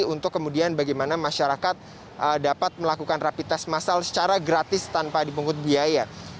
untuk kemudian bagaimana masyarakat dapat melakukan rapi tes masal secara gratis tanpa dipungut biaya